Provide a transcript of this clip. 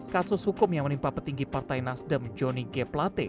kasus hukum yang menimpa petinggi partai nasdem joni g plate